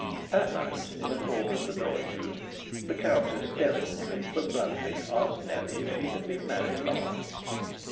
At night in a corner of the drawing room the Countess delicately but bluntly asked Nellie if she had been married long.